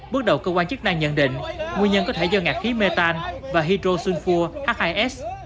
bước đầu cơ quan chức năng nhận định nguyên nhân có thể do ngạc khí mê tan và hydroxulfur h hai s